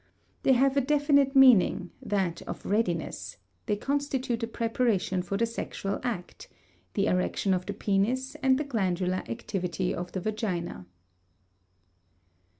They have a definite meaning, that of readiness; they constitute a preparation for the sexual act (the erection of the penis and the glandular activity of the vagina).